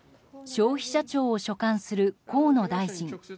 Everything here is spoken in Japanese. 消費者庁を所管する河野大臣。